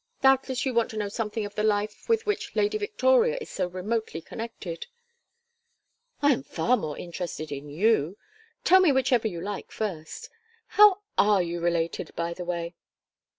Doubtless you want to know something of the life with which Lady Victoria is so remotely connected." "I am far more interested in you. Tell me whichever you like first. How are you related, by the way?"